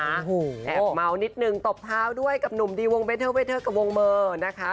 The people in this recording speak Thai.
แอบเมานิดนึงตบเท้าด้วยกับหนุ่มดีวงเบเทอร์เวเทอร์กับวงเมอร์นะคะ